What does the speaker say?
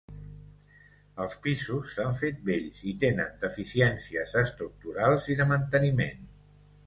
Els pisos s'han fet vells, i tenen deficiències estructurals i de manteniment.